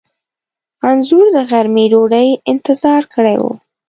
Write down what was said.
انځور د غرمې ډوډۍ انتظام کړی و.